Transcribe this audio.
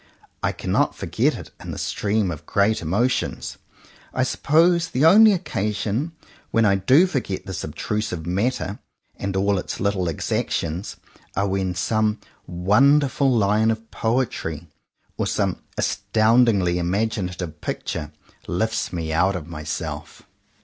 I cannot forget it in the stream of great emotions. I sup pose the only occasions when I do forget this obtrusive "matter" and all its little exac tions, are when some wonderful line of poetry, or some astoundingly imaginative picture, lifts me out of myself.